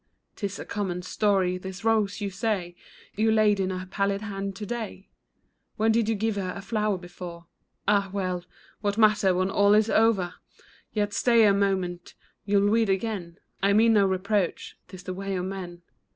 'Tis a common story. This rose, you say, You laid in her pallid hand to day ? When did you give her a flower before ? Ah, well !— what matter when all is o'er ? Yet stay a moment ; you'll wed again. I mean no reproach ; 'tis the way of men.